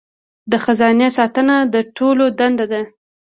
د خزانې ساتنه د ټولو دنده ده.